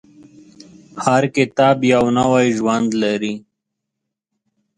هر کتاب یو نوی ژوند لري.